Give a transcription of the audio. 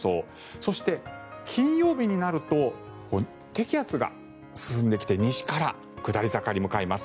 そして、金曜日になると低気圧が進んできて西から下り坂に向かいます。